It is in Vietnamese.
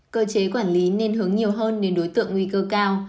cơ chế quản lý nên hướng nhiều hơn đến đối tượng nguy cơ cao